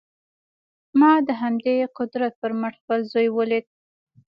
ما د همدې قدرت پر مټ خپل زوی وليد.